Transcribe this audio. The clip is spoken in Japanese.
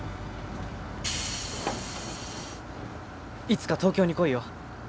いつか東京に来いよ。